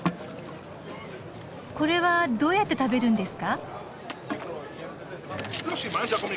これはどうやって食べるんですか？